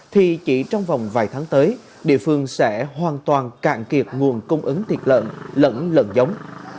thì chỉ trong vòng vài tháng tới địa phương sẽ hoàn toàn cạn kiệt nguồn cung ứng thịt lợn lẫn lợn giống